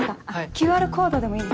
ＱＲコードでもいいですけど。